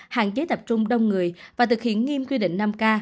hạn chế tập trung đông người và thực hiện nghiêm quy định năm k